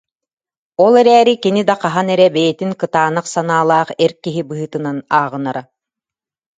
Ол эрээри кини да хаһан эрэ бэйэтин кытаанах санаалаах эр киһи быһыытынан ааҕынара